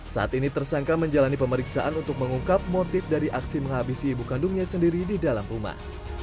saat ini tersangka menjalani pemeriksaan untuk mengungkap motif dari aksi menghabisi ibu kandungnya sendiri di dalam rumah